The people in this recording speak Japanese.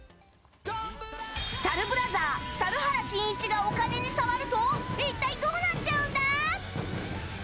サルブラザー、猿原真一がお金に触ると一体どうなっちゃうんだ？